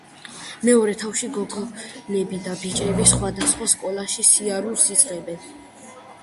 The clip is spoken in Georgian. მეორე თავში გოგონები და ბიჭები სხვადასხვა სკოლაში სიარულს იწყებენ.